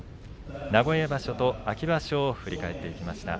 名古屋場所と秋場所を振り返っていきました。